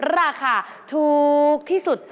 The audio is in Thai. ราคาถูกที่สุด